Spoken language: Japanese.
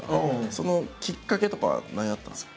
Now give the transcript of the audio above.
そのきっかけとかは何やったんですか？